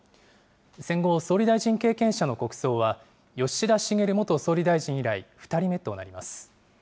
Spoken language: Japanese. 戦後、総理大臣経験者の国葬は吉田茂元総理大臣以来、２人目となります。